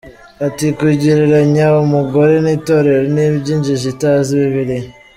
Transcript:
Ati “Kugereranya umugore n’Itorero ni iby’injiji itazi Bibiliya.